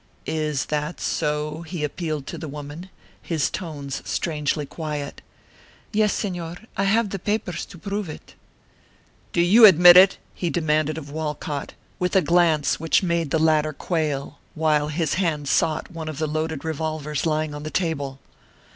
"Is that so?" he appealed to the woman, his tones strangely quiet. "Yes, Señor; I have the papers to prove it." "Do you admit it?" he demanded of Walcott, with a glance which made the latter quail, while his hand sought one of the loaded revolvers lying on the table.